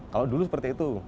kalau dulu seperti itu